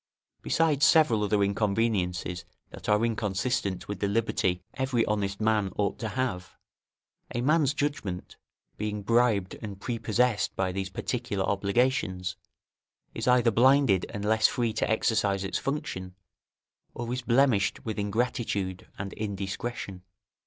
Besides several other inconveniences that are inconsistent with the liberty every honest man ought to have, a man's judgment, being bribed and prepossessed by these particular obligations, is either blinded and less free to exercise its function, or is blemished with ingratitude and indiscretion.